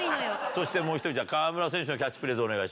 そしてもう１人河村選手のキャッチフレーズお願いします。